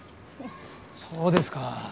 そうですか。